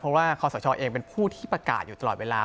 เพราะว่าคอสชเองเป็นผู้ที่ประกาศอยู่ตลอดเวลา